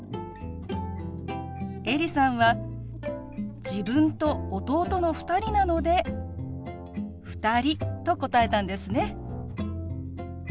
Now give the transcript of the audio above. エリさんは自分と弟の２人なので２人と答えたんですね。